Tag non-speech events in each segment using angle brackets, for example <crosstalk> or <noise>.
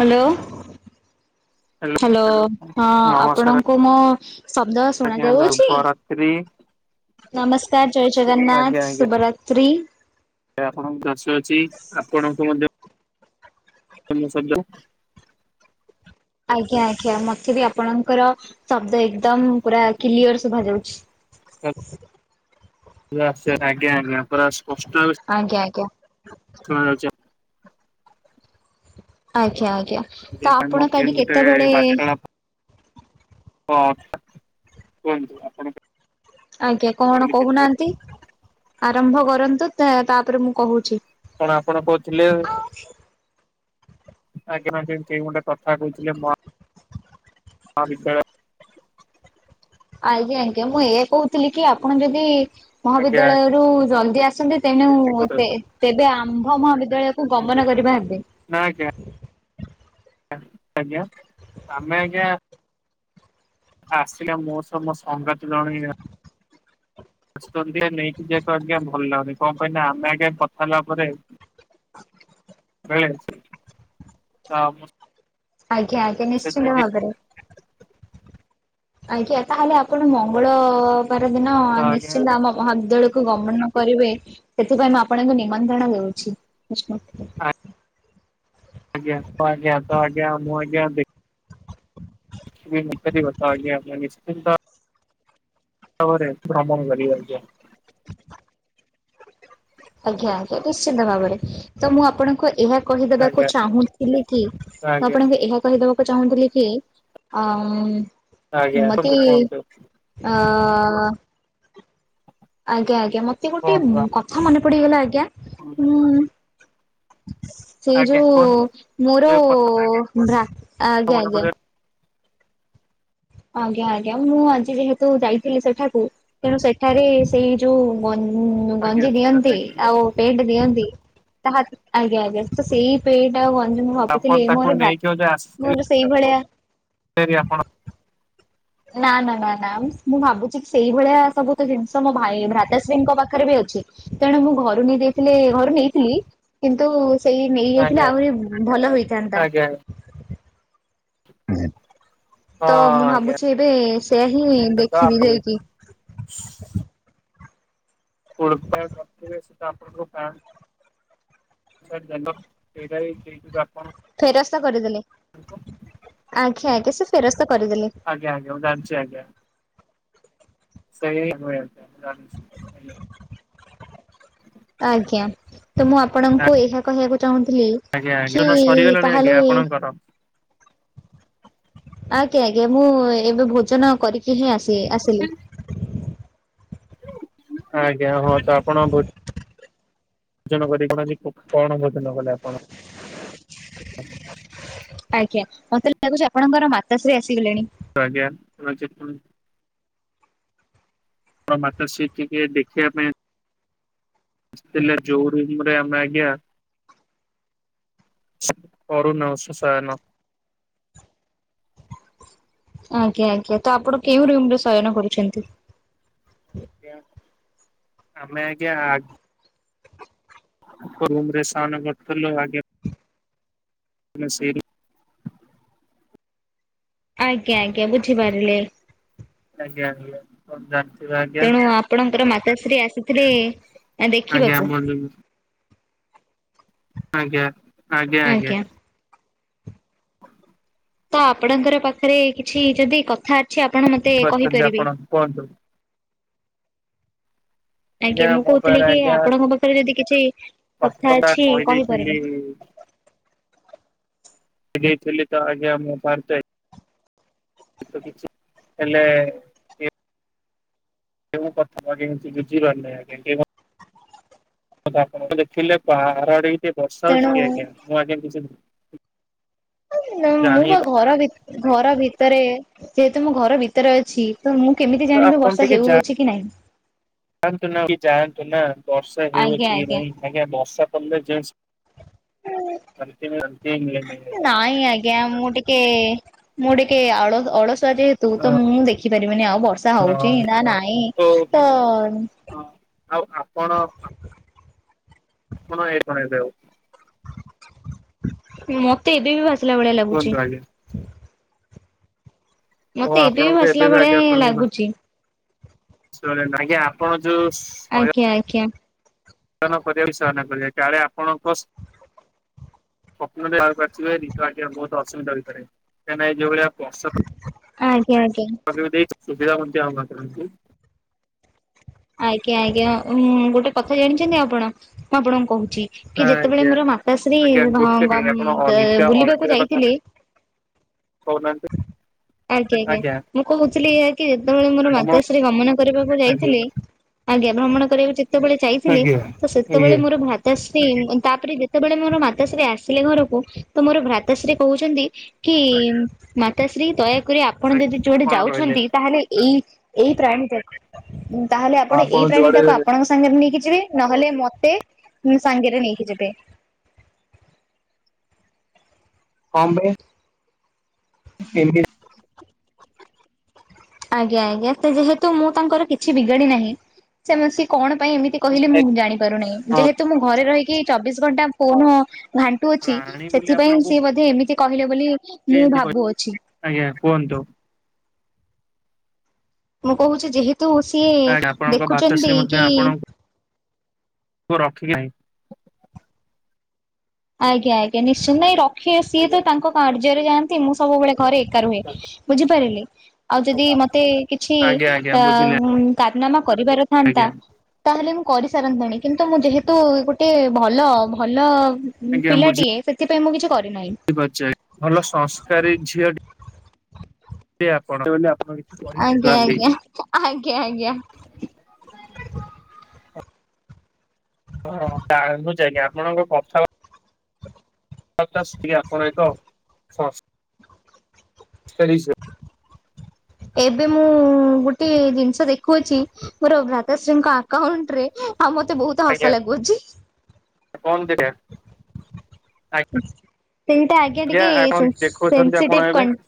Hello hello hello ହଁ ଆପଣ ନମସ୍କାର କୁ ମୋ ଶବ୍ଦ ଶୁଣା ଆଜ୍ଞା ଯାଉଅଛି? ଶୁଭରାତ୍ରି ନମସ୍କାର ଜୟ ଜଗନ୍ନାଥ ଶୁଭରାତ୍ରୀ। ଆପଣଙ୍କ ଚାଷ ଅଛି ଆପଣଙ୍କ ମଧ୍ୟ ତମୁ ଶବ୍ଦ। ଆଜ୍ଞା ଆଜ୍ଞା ମତେ ବି ଆପଣଙ୍କର ଶବ୍ଦ ଏକଦମ ପୁରା କିଲି ଲୟର ଶୁଭା ଯାଉଛି। <inaudible> ୟେ ଆସିବାର ଆଜ୍ଞା ଆଜ୍ଞା ପୁରା <unintelligible> ଆଜ୍ଞା ଆ ଶୁଣା ଯାଉଚି ଆଜ୍ଞା ଆଜ୍ଞା ତ ଆମ ଆପଣ କେଉଁ କାଲି ଗୋଟେ କେତେବେଳେ ହଁ କୁହନ୍ତୁ ଆପଣ ଆଜ୍ଞା କଣ କହିଲେ କେତେବେଳେ କହୁନାହାନ୍ତି ଆରମ୍ଭ କରନ୍ତୁ ତା ତାପରେ ମୁଁ କହୁଚି। କଣ ଆପଣ କହୁଥିଲେ ଆଜ୍ଞା ଆଜ୍ଞା ସେଇ ଗଟେ କଥା କହୁଥିଲେ ମ ମହାବିଦ୍ୟାଳୟ ଆଜ୍ଞା ଆଜ୍ଞା ମୁଁ ଏୟା କହୁଥିଲି କି ଆପଣ ଯଦି ଆଜ୍ଞା ମହାବିଦ୍ୟାଳୟରୁୁ ଜଲଦି ଆସନ୍ତେ ତେଣୁ ଆଜ୍ଞା ତେବତେବେ ଆମ୍ଭ ମହାବିଦ୍ୟାଳୟକୁ ଆଜ୍ଞା ଗମନ କରିବା ହେବେ। ନା ଆଜ୍ଞା ଆଜ୍ଞା ଆମେ ଆଜ୍ଞା ଆସିଲା ମୋ ସହ ମୋ ସଙ୍ଗାତ ଜଣେ ଆସୁଚନ୍ତି ନେଇକି ଯେହେତୁ ଆଜ୍ଞା ଭଲ ଲାଗୁନି କଣ ପାଇଁନା ଆମେ ଆଜ୍ଞା କଥା ହେଲା ପରେ ତେବେଳେ ତା ଅବସ୍ ଆଜ୍ଞା ଆଜ୍ଞା ନିଶ୍ଚିନ୍ତ ଭାବରେ ଆଜ୍ଞା ତାହେଲେ ଆପଣ ମଙ୍ଗଳବାର ଦିନ ତ ଆଜ୍ଞା ନିଶ୍ଚିନ୍ତ ଆମ ମହାବିଦ୍ୟାଳୟକୁ କୁ ଗମନ କରିବେ ସେଥିପାଇଁ ମୁଁ ଆପଣଙ୍କୁ ନିମନ୍ତ୍ରଣ ଦଉଛି ବିଷ୍ଣୁ ଆଜ୍ଞା ତ ଆଜ୍ଞା ତ ଆଜ୍ଞା ମୁଁ ଆଜ୍ଞା ଦେଖ ମୁଖ୍ୟ ଦିବସ ଆଜ୍ଞା ଆଜ୍ଞା ନିଶ୍ଚିନ୍ତ ଭାବରେ ଭ୍ରମଣ କରିବି ଆଜ୍ଞା। <inaudible> ଆଜ୍ଞା ଆଜ୍ଞା ନିଶ୍ଚିନ୍ତ ଭାବରେ ତ ମୁଁ ଆପଣଙ୍କୁ ଏହା କହିଦବାକୁ ଆଜ୍ଞା ଚାହୁଁଥିଲି କି ଆଜ୍ଞା ଆପଣଙ୍କୁ ଏହା କହିଦେବା ଚାହୁଁଥିଲି କି ଅ ଆଜ୍ଞା ମତେ କୁହନ୍ତୁ ୟେ କୁହନ୍ତୁ ଅ ଆଜ୍ଞା ଆଜ୍ଞା ମତେ ଗୋଟେ କୁହନ୍ତୁ କଥା ମନେ ପଡିଗଲା ଆଜ୍ଞା ଆପଣ ଉଁ। ସେଇ ଆଜ୍ଞା ଯୋଉ କୁହନ୍ତୁ ମୋର ଯୋଉ କଥା ଭ୍ରା ଆଜ୍ଞା ମନେ ଆଜ୍ଞା। ପଡିବ ଆଜ୍ଞା ଆଜ୍ଞା ମୁଁ ଆଜି ଯେହେତୁ ଯାଇଥିଲି ସେଠାକୁ ତେଣୁ ସେଠାରେ ସେଇ ଯୋଉ ଆଜ୍ଞା ଗଞ୍ଜି ସେଟା ଦିଅନ୍ତି ଯାଇଥିଲେ ଆଉ ପେଣ୍ଟ ଦିଅନ୍ତି ତାହା ଆଜ୍ଞା ଆଜ୍ଞା ତ ସେଇ ପେଣ୍ଟ ଆଉ ଗଞ୍ଜି ମୁଁ ଆପଣ ଭାବୁଥିଲି ତାକୁ ମୋର ନେଇକି ମୋର ସେଇଭଳିଆ ସେ ବି ଆପଣ ନା ନା ନା ନା ମୁଁ ଭାବୁଚି ସେଇଭଳିଆ ସବୁ ତ ଜିନିଷ ମୋ ଭାଇ ଭ୍ରତା ଶ୍ରୀଙ୍କ ପାଖରେ ବି ଅଛି ତେଣୁ ମୁଁ ଘରୁ ନେଇଯାଇଥିଲେ ଘରୁ ନେଇଥିଲି କିନ୍ତୁ ସେଇ ନେଇଯାଇଥିଲେ ଆଜ୍ଞା ଆହୁରି ଭଲ ହେଇଥାନ୍ତା। ଆଜ୍ଞା ହଁ ତ ମୁଁ ଆଜ୍ଞା ଭାବୁଚି ଏବେ ସେଇଆ ହିଁ ତ ଦେଖିବି ଆପଣ ଯାଇକି। ଖୋର୍ଦ୍ଧା ପାଖରେ ସେଟା ଆପଣଙ୍କ ଗାଁ ସାର୍ <unintelligible> ସେଇଟା <inaudible> ଆପଣ। ଫେରସ୍ତ କରିଦେଲେ। <unintelligible> ଆଜ୍ଞା ଆଜ୍ଞା ସେ ଫେରସ୍ତ କରିଦେଲେ। ଆଜ୍ଞା ଆଜ୍ଞା ମୁଁ ଜାଣିଚି ଆଜ୍ଞା। ସେଇ ଆମେ ଜାଣିଚି ଆଜ୍ଞା ତ ମୁଁ ଆପଣଙ୍କୁ ଏହା କହିବାକୁ ଚାହୁଁଥିଲି ଆଜ୍ଞା କି ଆଜ୍ଞା ସରିଗଲାଣି ଆଜ୍ଞା ତାହାଲେ ଆପଣଙ୍କର ଆଜ୍ଞା ଆଜ୍ଞା ମୁଁ ଏବେ ଭୋଜନ କରିକି ହିଁ ଆସି ଆସିଲି। ଆଜ୍ଞା ହଁ ତ ଆପଣ ଭୋ ଭୋଜନ କରି କହୁନାହାନ୍ତି କଣ ଭୋଜନ କଲେ ଆପଣ? ଆଜ୍ଞା ମତେ ଲାଗୁଚି ଆପଣଙ୍କର ମାତାଶ୍ରୀ ଆସିଗଲେଣି। ତ ଆଜ୍ଞା ନଲେ ସେ ପୁଣି ର ମାତଶ୍ରି ଟିକେ ଦେଖିବା ପାଇଁ ଆସିଥିଲେ ଯୋଉ ରୁମ ରେ ଆମେ ଆଜ୍ଞା। ଅରୁ ନୟସ୍ୟ ଶୟନ। ଆଜ୍ଞା ଆଜ୍ଞା ତ ଆପଣ କେଉଁ ରୁମ ରେ ଶୟନ କରୁଛନ୍ତି? ଆଜ୍ଞା ଆମେ ଆଜ୍ଞା ଆ ରୁମ୍ ରେ ଶୟନ କରୁଥିଲୁ ଆଜ୍ଞା। ମାନେ ସେଇ ଆଜ୍ଞା ଆଜ୍ଞା ବୁଝିପାରିଲି। ଆଜ୍ଞା ଆଜ୍ଞା କଣ <unintelligible> ଆଜ୍ଞା। ତେଣୁ ଆପଣଙ୍କର ମାତାଶ୍ରୀ ଆସିଥିଲେ ଆ ଆଜ୍ଞା ଆମ ଦେଖିବାକୁ। ଆଜ୍ଞା ଆଜ୍ଞା ଆଜ୍ଞା। <inaudible> ତ ଆପଣଙ୍କର ପାଖରେ କିଛି ଯଦି କଥା ଅଛି ଆପଣ ମତେ <unintelligible> ପାରୁଛନ୍ତି କହିପାରିବେ। ଆପଣ କୁହନ୍ତୁ। ଆଜ୍ଞା ମୁଁ ମୋ କହୁଥିଲି ପାଖରେ କି ଆଜ୍ଞା ଆପଣଙ୍କ ପାଖରେ ଯଦି କିଛି କଥା କଷ୍ଟମା ଅଛି କହିଦେଇଥିଲି କହିପାରିବେ। ସେ ଦେଇଥିଲେ ତ ଆଜ୍ଞା ମୁଁ <unintelligible> ବେ ତ କିଛି ହେଲେ କେଉଁ କଥା ହେବି ମୁଁ କିଛି ବୁଝିପାରୁନି ଆଜ୍ଞା କେବ ହଉ ତ ଆପଣ ଦେଖିଲେ ବାହାର ଆଡ଼ିକି ଟିକେ ବର୍ଷା ହଉଚି କି ତେଣୁ ଆଜ୍ଞା ମୁଁ ଆଜ୍ଞା କିଛିବି ମୁଁ ଜାଣି ବା ହି ପା ଘର ଭିତ ଘର ଭିତରେ ଯେହେତୁ ମୁଁ ଘର ଭିତ ଭିତରେ ଅଛି ତ ମୁଁ କେମିତି ଜାଣିବି ଆପଣ ବର୍ଷା ଟିକେ ହେଉଅଛି କି ନାଇଁ? ଯାଆନ୍ତୁ ନା ଯାଆନ୍ତୁ ନା ବର୍ଷା ହେଉଅଛି କି ନାଇଁ ଆଜ୍ଞା ବର୍ଷା ପଡ଼ିଲେ ଜିନ୍ <unintelligible> ନାଇଁ ଆଜ୍ଞା ମୁଁ ଟିକେ ମୁଁ ଟିକେ ଅଳ ଅଳସୁଆ ଯେହେତୁ ତ ମୁଁ ଦେଖିପାରିବିନି ଆଉ ବର୍ଷା ର୍ଷା ହଉଚି ନା ନାହିଁ ତ ଏ ହେ ଆଉ ଆପଣ ଆପଣ <unintelligible> ମତେ ଏବେ ବି ଭାସିଲା ଭଳିଆ ଲାଗୁଚି। କୁହନ୍ତୁ ଆଜ୍ଞା ଓ ମତେ ଏବେ ବି ଆପଣଙ୍କୁ ଭାସିଲା ଭଳିଆ ଆଜ୍ଞା ହିଁ ଆପଣଙ୍କୁ ଲାଗୁଛି। <inaudible> ଆଜ୍ଞା ଆପଣ ଯୋ ସ୍ ଆଜ୍ଞା ଆଜ୍ଞା। <inaudible> ନ କରିବା କାଳେ ଆପଣଙ୍କ <unintelligible> ସ୍ଵପ୍ନରେ ଆଳୁ ପାଚିଲେ <inaudible> ଆଜ୍ଞା ବହୁତ ଅସୁବିଧା ହୋଇପାରେ। କାହିଁକି ନା ଏ ଯଉଭଳିଆ ଆଜ୍ଞା ଆଜ୍ଞା। <inaudible> ଆଜ୍ଞା ଆଜ୍ଞା ଉମ୍ ଗୋଟେ କଥା ଜାଣିଛନ୍ତି ଆପଣ? ମୁଁ ଆପଣଙ୍କୁ କହୁଛି। କି ଯେତେବେଳେ ଆଜ୍ଞା ମୋର ମାତାଶ୍ରୀ ଆଜ୍ଞା ଗୋଟେ ହମ୍ କାଇଁ ଆପଣ ଗମ୍ଭୀର ଦ ଅଲଗା ବୁଲିବାକୁ ଯାଇଥିଲେ? କହୁନାହାଁନ୍ତି? ଆଜ୍ଞା ଆଜ୍ଞା। ମୁଁ କହୁଥିଲି ଏୟା କି? ଯେତେବେଳେ ମୋର ଭ୍ରମଣ ମାତାଶ୍ରୀ ଗମନ କରିବାକୁ ଆଜ୍ଞା। ଯାଇଥିଲେ! ଆଜ୍ଞା। ଭ୍ରମଣ କରିବାକୁ ଯେତେବେଳେ ଯାଇଥିଲେ? ଆଜ୍ଞା ତ ସେତେବେଳେ ଆଜ୍ଞା। ମୋର ଭ୍ରାତ ତାଶ୍ରୀ ତାପରେ ଯେତେବେଳେ ମୋର ମାତାଶ୍ରୀ ଆସିଲେ ଘରକୁ ତ ମୋର ଭ୍ରାତାଶ୍ରୀ କହୁଛନ୍ତି କି ମାତାଶ୍ରୀ ଦୟାକରି ଆପ ଆପଣ ଯଦି ଯୁଆଡେ କଣ କହିଲେ? ଯାଉଛନ୍ତି? ତାହେଲେ ଏଇ ଏଇ ପ୍ରାଣୀ ଟା ତାହେଲେ ଆପଣ ଏଇ ପ୍ରାଣୀ ଟାକୁ ଆପଣଙ୍କ ସାଙ୍ଗରେ ନେଇକି ଯିବେ। ନହେଲେ ମତେ ସାଙ୍ଗରେ ନେଇକି ଯିବେ। କଣ ପାଇଁ? <inaudible> ଆଜ୍ଞା ଆଜ୍ଞା। ସେ ଯେହେତୁ ମୁଁ ତାଙ୍କର କିଛି ବିଗାଡ଼ି ନାହିଁ। ସେ ସିଏ କଣ ପାଇଁ ଏମତି କହିଲେ ମୁଁ ଜାଣିପାରୁନାହିଁ। ଯେହେତୁ ମୁଁ ଘରେ ରହିକି ଚବିଶି ଘଣ୍ଟା ଫୋନ ଘାଣ୍ଟୁ ଅଛି। ପ୍ରାଣୀ ବୋଲି ସେଥିପାଇଁ ଆପଣଙ୍କୁ ସିଏ ମଧ୍ୟ ଏମିତି କହିଲେ ବୋଲି ମୁଁ କେମିତି କହିଲେ? ଭାବୁଅଛି। ଆଜ୍ଞା କୁହନ୍ତୁ। ମୁଁ କହୁଛି ଯେହେତୁ ସିଏ ଆଜ୍ଞା ଆପଣଙ୍କ ଦେଖୁଛନ୍ତି ଭ୍ରାତାଶ୍ରୀ କି କୋଉ ରଖିକି ନାହିଁ। ଆଜ୍ଞା ଆଜ୍ଞା। ନିଶ୍ଚିନ୍ତ ନାଇଁ ରଖିବେ ସିଏ ତ ଆଜ୍ଞା ତାଙ୍କ କାର୍ଯ୍ୟରେ ଯାଆନ୍ତି। ମୁଁ ସବୁବେଳେ ଘରେ ଏକା ରୁହେ। ବୁଝିପାରିଲେ? ଆଉ ଯଦି ମତେ କିଛି ଆଜ୍ଞା ଆଜ୍ଞା ଅ ବୁଝିଲି। କାରନାମା କରିବାର ଥାନ୍ତା? ଆଜ୍ଞା ତାହେଲେ ମୁଁ କରିସାରନ୍ତେଣି। କିନ୍ତୁ ମୁଁ ଯେହେତୁ ଗୋଟେ ଭଲ ଭଲ ଉମ୍ ଆଜ୍ଞା ପିଲାଟିଏ ସେଥିପାଇଁ ମୁଁ କିଛି କରିନାହିଁ। <inaudible> ଭଲ ସଂସ୍କାରୀ ଝିଅ ଟି <inaudible> ଆଜ୍ଞା କହିପାରୁନାହାନ୍ତି। ଆଜ୍ଞା। ଆଜ୍ଞା ଆଜ୍ଞା। <inaudible> ଆପଣଙ୍କ କଥା <unintelligible> <inaudible> ଏବେ ମୁଁ ଗୋଟେ ଜିନିଷ ଦେଖୁଅଛି। ମୋର ଭ୍ରାତାଶ୍ରୀଙ୍କ ଆକାଉଣ୍ଟ ରେ, ଆଉ ମତେ ବୋହୁତ ତ ଆଜ୍ଞା ହସ ଲାଗୁଅଛି। କଣ ଦେଖିବା ସିନ୍ ଟା ଆଜ୍ଞା ଟିକେ ଆପଣ ସେନ୍ ଦେଖଉଛନ୍ତି ଆପଣ ସେନ୍ସିଟିଭ ଏବେ କଣ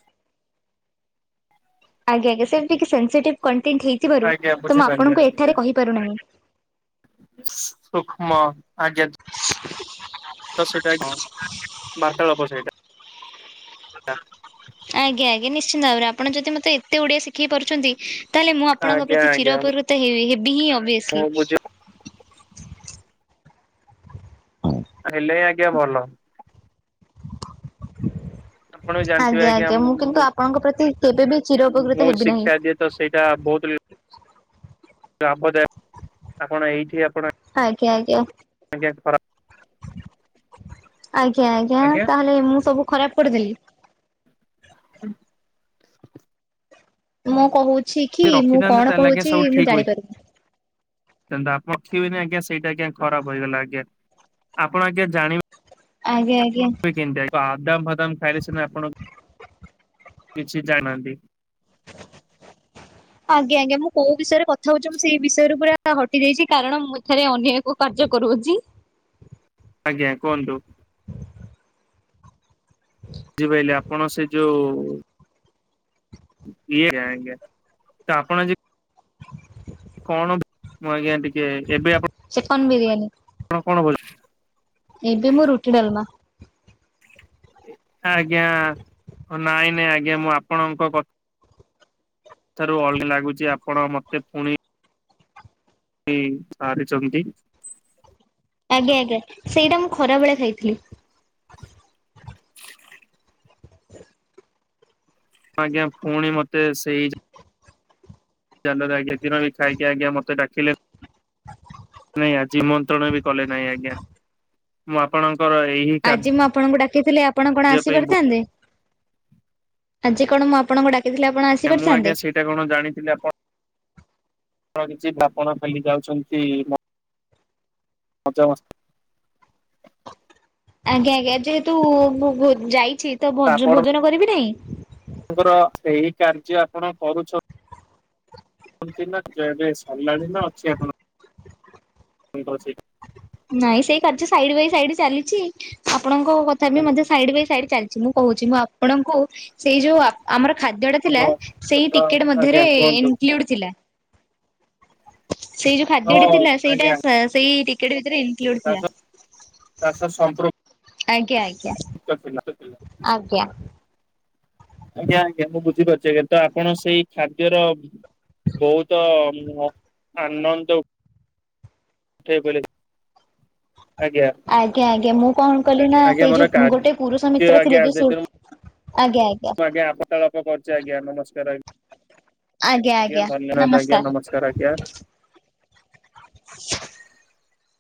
ଆଜ୍ଞା ଆଜ୍ଞା। ସେମତି କି ସେନ୍ସିଟିଭ କଣ୍ଟେଣ୍ଟ ହେଇଥିବାରୁ, ଆଜ୍ଞା ତ ମୁଁ ବୁଝିପାରିଲେ ଆପଣଙ୍କୁ ଆଜ୍ଞା ଏଠାରେ କହିପାରୁନାହିଁ। ସୂକ୍ଷ୍ମ ଆଜ୍ଞା। ତ ସେଇଟା ହଁ ବାର୍ତ୍ତାଳାପ ସେଇଟା। ଆଜ୍ଞା ଆଜ୍ଞା। ନିଶ୍ଚିନ୍ତ ଭାବରେ ଆପଣ ଯଦି ମତେ ଏତେ ଓଡିଆ ଶିଖେଇ ପାରୁଛନ୍ତି! ତାହେଲେ ମୁଁ ଆପଣଙ୍କ ଆଜ୍ଞା ପ୍ରତି ଆଜ୍ଞା ଚିର ଉପକୃତ ହେବି ହେବି ହିଁ ଅଭିୱସଲି। ମୁଁ ବୁଝି ହେଲେ ଆଜ୍ଞା ଭଲ। ଆପଣ ବି ଜାଣିଥିବେ ଆଜ୍ଞା ଆଜ୍ଞା। ମୁଁ କିନ୍ତୁ ଆପଣଙ୍କ ପ୍ରତି କେବେ ବି ଚିର ଉପକୃତ ମୁଁ ହେବି ନାହିଁ। ଶିକ୍ଷା ଦି ତ ସେଇଟା ବହୁତ ଲାଭଦାୟକ। ଆପଣ ଏଇଠି ଆପଣ ଆଜ୍ଞା ଆଜ୍ଞା। ଆଜ୍ଞା ଆଜ୍ଞା ଆଜ୍ଞା। ତାହେଲେ ମୁଁ ସବୁ ଖରାପ କରିଦେଲି। ହୁଁ। ମୁଁ କହୁଛି କି? ମୁଁ ରଖିଥାନ୍ତେ କଣ ତାହେଲେ ଆଜ୍ଞା କହୁଛି ମୁଁ ଜାଣିପାରୁନି! କିନ୍ତୁ ଆପ୍ -ରଖିବନି ଆଜ୍ଞା ସେଇଟା ଆଜ୍ଞା ଖରାପ୍ ହେଇଗଲା ଆଜ୍ଞା। ଆପଣ ଆଜ୍ଞା ଜାଣିବେ ଆଜ୍ଞା, ଆଜ୍ଞା। କେମିତି ବାଦାମ ଫାଦାମ ଖାଇଲେ ସିନା ଆପଣ କିଛି ଜାଣିନାହାନ୍ତି। ଆଜ୍ଞା, ଆଜ୍ଞା, ମୁଁ କୋଉ ବିଷୟରେ କଥା ହଉଛି ମୁଁ ସେଇ ବିଷୟରେ ପୁରା ହଟି ଯାଇଛି କାରଣ ମୁଁ ଏଥରେ ଅନ୍ୟକୁ କାର୍ଯ୍ୟ କରୁଅଛି। ଆଜ୍ଞା କୁହନ୍ତୁ। <inaudible> ଝିପାଇଲେ ଆପଣ ସେ ଯୋଉ ଇଏ ଜ୍ଞା ଆଜ୍ଞା ତ ଆପଣ ଯେ କଣ ମୁଁ ଆଜ୍ଞା ଟିକେ ଏବେ ଆପଣ ଚିକନ ବିରିୟାନୀ। <unintelligible> ଏବେ ମୁଁ ରୁଟି ଡାଲମା। ଆଜ୍ଞା ନାଇଁ, ନାଇଁ ଆଜ୍ଞା, ମୁଁ ଆପଣଙ୍କ କଥା ଠାରୁ ଅଲଗା ଲାଗୁଛି ଆପଣ ମତେ ଫୁଣି ବି ସାରିଛନ୍ତି। ଆଜ୍ଞା, ଆଜ୍ଞା ସେଇଟା ମୁଁ ଖରାବେେଳେ ଖାଇଥିଲି। <inaudible> ଆଜ୍ଞା, ଫୁଣି ମତେ ସେଇ ଜଲ ଆଜ୍ଞା ଦିନ ବି ଖାଇକି ଆଜ୍ଞା ମତେ ଡାକିଲେ ନାଇଁ ଜିମନ୍ତ୍ରଣ ବି କଲେ ନାହିଁ ଆଜ୍ଞା। ମୁଁ ଆପଣଙ୍କର ଏହି ଆଜି କାର୍ଯ୍ୟ ମୁଁ ଆପଣଙ୍କୁ ଡାକିଥିଲି ଆ ଆପଣ କଣ ଆସି ପାଇଁ ପାରିଥାନ୍ତେ? ଆଜି କଣ ମୁଁ ଆପଣଙ୍କୁ ଡାକିଥିଲେ ଆପଣ ଆ ମୁଁ ଆଜ୍ଞା ସେଇଟା କଣ ଜାଣିଥିଲି ଆପଣ ପଣ କିଛି ପାପଣ ଖାଲି ଯାଉଛନ୍ତି ମୋ ମଜା ମସ୍ତି। ଆଜ୍ଞା ଆଜ୍ଞା ଯେହେତୁ ଭୋ-ଯାଇଛି ତ ଭୋଜ- ଭୋଜନ କରିବି ନାହିଁ। ଆପଙ୍କର ଏହି କାର୍ଯ୍ୟ ଆପଣ କରୁଛ <unintelligible> ନା ଏବେ ସରିଲାଣି ନା ଅଛି ଆପଣଙ୍କର ସେଇ ନାଇଁ ସେଇ କାର୍ଯ୍ୟ ସାଇଡ ବାଇ ସାଇଡ ଚାଲିଛି ଆପଣଙ୍କ କଥା ବି ମଧ୍ୟ ସାଇଡ ବାଇ ସାଇଡ ଚାଲି ଛି ମୁଁ କହୁଛି ମୁଁ ଆପଣଙ୍କୁ ସେଇ ଯୋଉ ଆ ଆମର ଖାଦ୍ୟଟା ଥିଲା ସେଇ ତ ଟିକେଟ୍ ମଧ୍ୟରେ ଆଜ୍ଞା ଏ କୁହନ୍ତୁ ଇନକ୍ଲୁଡ ଥିଲା। ସେଇ ଯୋଉ ହଁ ଖାଦ୍ୟଟା ଥିଲା ସେଇଟା ଆଜ୍ଞା ସେଇ ଟିକେଟ ଭିତରେ ଇନକ୍ଲୁଡ ତା ଥିଲା। ସହ ତା ସହ ଆଜ୍ଞା ଆଜ୍ଞା। ସଂପୃ-କ୍ତ ଥିଲା। ଆଜ୍ଞା। ଆଜ୍ଞା ଆଜ୍ଞା ମୁଁ ବୁଝିପାରୁଛି ଆଜ୍ଞା ତ ଆପଣ ସେଇ ଖାଦ୍ୟର ବହୁତ ମୁଁ ଆନନ୍ଦ ଉଠେଇ ବୋଲି ଆଜ୍ଞା ଆଜ୍ଞା ମୁଁ କଣ କଲି ନା ଆଜ୍ଞା ସେଇ ମୋର ଯୋଉ ଗୋଟେ ପୁରୁଷ କାର୍ଯ୍ୟ ମିତ୍ର ଆଜ୍ଞା ଥିଲେ ଯୋଉ ସେ ସେଥିରୁ ଆଜ୍ଞା ଆଜ୍ଞା। ମୁଁ ଆଜ୍ଞା ଆପତାଳପ କରୁଛି ଆଜ୍ଞା ନମସ୍କାର ଆଜ୍ଞା ଆଜ୍ଞ- ଆଞା ଆଜ୍ଞା ଧନ୍ୟବାଦ ଆଜ୍ଞା ନମସ୍କାର। କାରା ଗ୍ୟା। <inaudible>